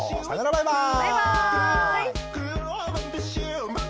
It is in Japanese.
バイバーイ！